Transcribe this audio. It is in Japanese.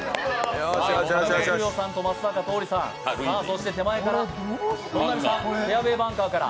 上國料さんと松坂桃李さん、手前から本並さん、フェアウェーバンカーから。